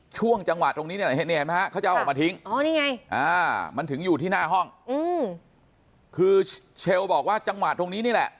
ช่วงจังหวัดตรงนี้เนี่ยเขาจะเอาออกมาทิ้งมันถึงอยู่ที่หน้าห้องคือเชลบอกว่าจังหวัดตรงนี้นี่แหละ